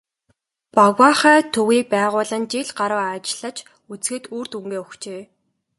"Багваахай" төвийг байгуулан жил гаруй ажиллаж үзэхэд үр дүнгээ өгчээ.